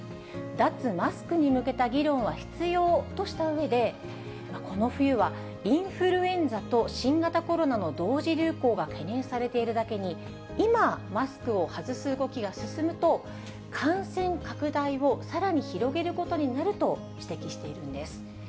脱マスクに向けた議論は必要としたうえで、この冬はインフルエンザと新型コロナの同時流行が懸念されているだけに、今、マスクを外す動きが進むと、感染拡大をさらに広げることになると指摘しているんです。